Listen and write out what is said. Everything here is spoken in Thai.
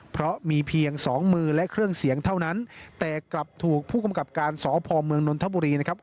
เพราะมีเพียงสองมือและเครื่องเสียงเท่านั้นแต่กลับถูกผู้กำกับการสพเมืองนนทบุรีนะครับ